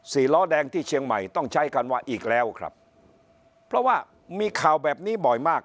ล้อแดงที่เชียงใหม่ต้องใช้คำว่าอีกแล้วครับเพราะว่ามีข่าวแบบนี้บ่อยมาก